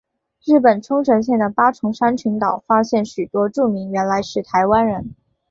日本冲绳县的八重山群岛发现许多住民原来是台湾人。